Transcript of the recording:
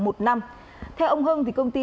một năm theo ông hưng thì công ty